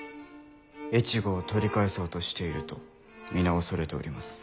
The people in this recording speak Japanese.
越後を取り返そうとしていると皆恐れております。